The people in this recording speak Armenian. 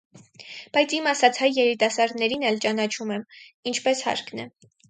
բայց իմ ասած հայ երիտասարդներին էլ ճանաչում եմ՝ ինչպես հարկն է: